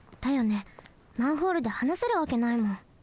マンホールではなせるわけないもん。